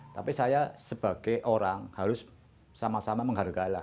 tapi saya sebagai orang harus sama sama menghargailah